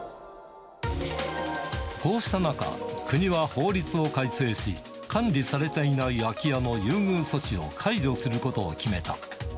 こうした中、国は法律を改正し、管理されていない空き家の優遇措置を解除することを決めた。